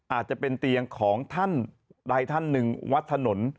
อาจจะเป็นเตียงของท่านใดท่านหนึ่งวัดถนน